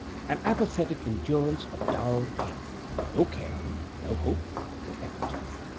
An apathetic endurance of dull pain. No care no hope no effort.